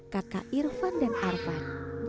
kakak irfan dan arfan